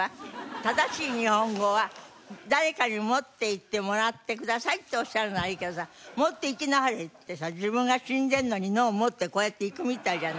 正しい日本語は誰かに持っていってもらってくださいっておっしゃるならいいけどさ「持っていきなはれ」ってさ自分が死んでるのに脳持ってこうやって行くみたいじゃないですか。